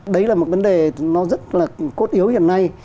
đấy là một vấn đề nó rất là cốt yếu hiện nay